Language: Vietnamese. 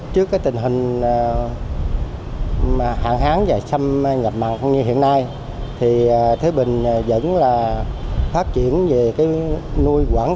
trước cái tình hình hạn hán và xâm nhập mặn như hiện nay thì thế bình vẫn là phát triển về cái nuôi quảng